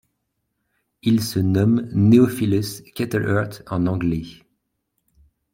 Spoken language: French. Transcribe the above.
Il se nomme Neophilus Cattleheart en anglais.